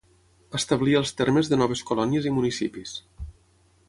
Establia els termes de noves colònies i municipis.